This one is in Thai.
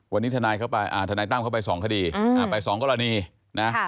วันนี้ทนายเข้าไปทนายตั้มเข้าไปสองคดีไปสองกรณีนะ